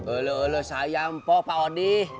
ulu ulu sayang pak odi